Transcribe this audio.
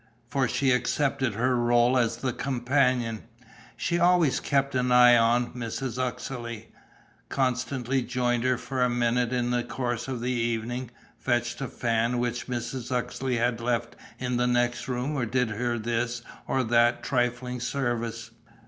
For she accepted her rôle as the companion. She always kept an eye on Mrs. Uxeley, constantly joined her for a minute in the course of the evening, fetched a fan which Mrs. Uxeley had left in the next room or did her this or that trifling service.